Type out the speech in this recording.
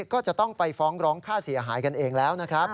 ก็จะต้องไปฟ้องร้องค่าเสียหายกันเองแล้วนะครับ